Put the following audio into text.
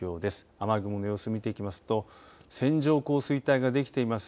雨雲の様子見ていきますと線状降水帯ができています